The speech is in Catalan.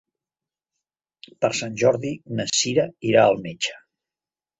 Per Sant Jordi na Sira irà al metge.